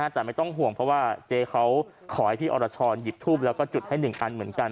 แต่ไม่ต้องห่วงเพราะว่าเจ๊เขาขอให้พี่อรชรหยิบทูบแล้วก็จุดให้๑อันเหมือนกัน